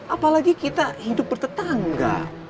apalagi kita hidup bertetangga